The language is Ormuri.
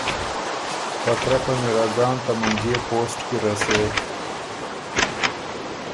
په ترپه ن اِر ا ځان ته منجئے پوسټ کی رسېک۔